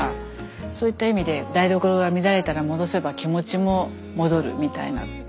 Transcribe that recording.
そういった意味で台所が乱れたから戻せば気持ちも戻るみたいな。